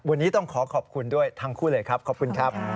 วันนี้ต้องขอขอบคุณด้วยทั้งคู่เลยครับขอบคุณครับ